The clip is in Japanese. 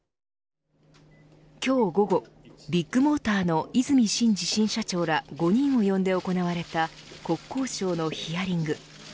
今日午後、ビッグモーターの和泉伸二新社長ら５人をよんで行われた国交省のヒアリング。